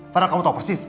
karena kamu tahu persis